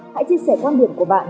hãy chia sẻ quan điểm của bạn